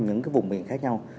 những cái vùng miền khác nhau